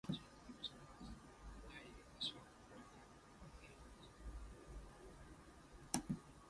The club gained the reputation of playing rare and uptempo soul.